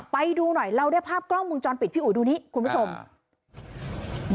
ไปดูหน่อยเราได้ภาพกล้องมุมจรปิดพี่อุ๋ยดูนี้คุณผู้ชม